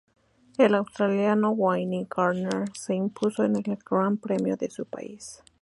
El australiano Wayne Gardner se impuso en el Gran Premio de su país.